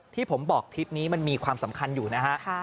ที่ผมบอกทริปนี้มันมีความสำคัญอยู่นะฮะ